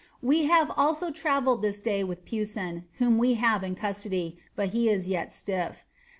We have sIho travelled this day with Pewsoo, ooi we have in custody, but he is yet siifT.